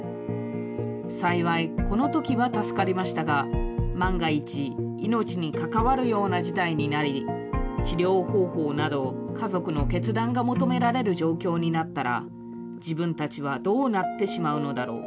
幸い、このときは助かりましたが、万が一、命に関わるような事態になり、治療方法など、家族の決断が求められる状況になったら、自分たちはどうなってしまうのだろう。